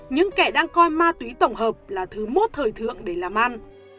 những kẻ đang coi ma túy tổng hợp là thứ mốt thời thượng để làm ăn